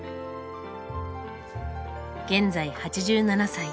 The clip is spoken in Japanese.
現在８７歳。